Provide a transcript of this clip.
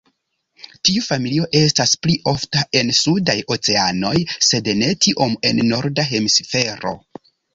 Tiu familio estas pli ofta en sudaj oceanoj sed ne tiom en Norda hemisfero.